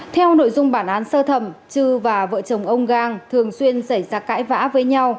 theo nội dung bản án sơ thẩm chư và vợ chồng ông gang thường xuyên xảy ra cãi vã với nhau